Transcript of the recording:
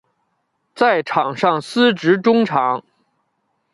在场上司职中场。